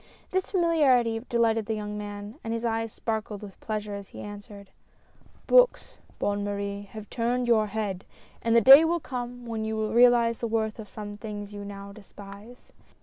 This familiarity delighted the young man, and his eyes sparkled with pleasure as he answered :" Books, Bonne Marie, have turned your head, and the day will come, when you will realize the worth of some things you now despise.